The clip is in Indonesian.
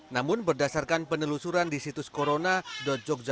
namun berdasarkan penelusuran di situs corona yogyakarta